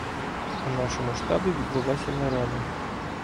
У нашому штабі відбулася нарада.